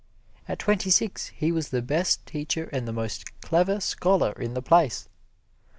At twenty six he was the best teacher and the most clever scholar in the place.